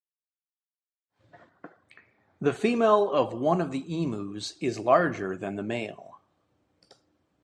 The female of one of the emus is larger than the male.